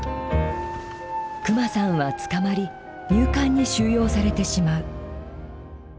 クマさんは捕まり入管に収容されてしまう。